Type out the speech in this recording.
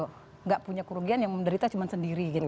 tidak punya kerugian yang menderita cuma sendiri gitu